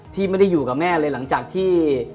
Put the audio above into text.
ที่ไม่ได้อยู่กับแม่เลยหลังจากที่